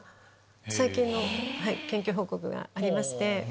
最近の研究報告がありまして。